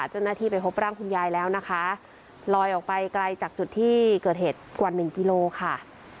เจ้าหน้าที่ไปพบร่างคุณยายแล้วนะคะลอยออกไปไกลจากจุดที่เกิดเหตุกว่าหนึ่งกิโลค่ะ